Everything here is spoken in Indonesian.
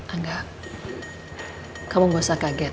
angga kamu gak usah kaget